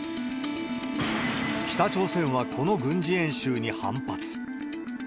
北朝鮮はこの軍事演習に反発。